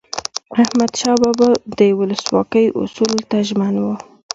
احمدشاه بابا به د ولسواکۍ اصولو ته ژمن و.